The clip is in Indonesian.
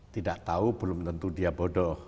tidak tahu belum tentu dia bodoh